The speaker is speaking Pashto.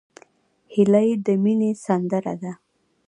هیلۍ د مینې سندره ده